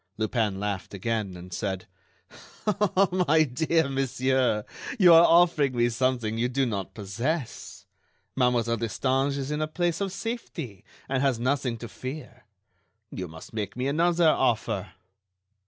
Lupin laughed again, and said: "My dear monsieur, you are offering me something you do not possess. Mademoiselle Destange is in a place of safety, and has nothing to fear. You must make me another offer."